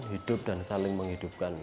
hidup dan saling menghidupkan